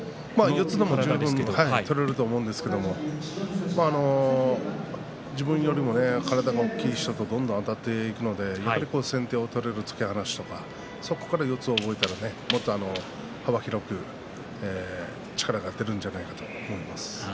四つでも取れると思うんですけど自分よりも体が大きい人とどんどんあたっていくのでやはり先手を取れる突き放しとかそこから四つを覚えたらもっと幅広く力が出るんじゃないかと思います。